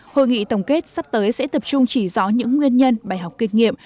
hội nghị tổng kết sắp tới sẽ tập trung chỉ rõ những nguyên nhân bài học kinh nghiệm